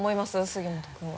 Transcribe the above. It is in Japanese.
杉本君は。